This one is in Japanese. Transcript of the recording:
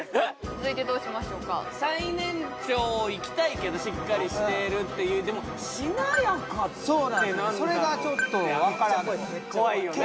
続いてどうしましょうか最年長いきたいけどしっかりしてるっていうでもそうなんですそれがちょっとわからない怖いよね